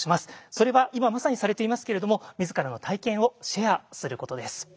それは今まさにされていますけれども自らの体験を「シェア」することです。